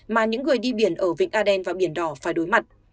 mà những người đi biển ở vịnh a đen và biển đỏ phải đối mặt